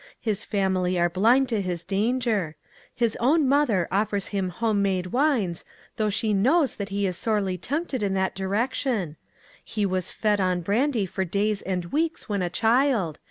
His family are blind to his danger. His own mother offers him home made wines, though she knows that he is sorely tempted in that direction. He was fed on brandy for days and weeks when a child.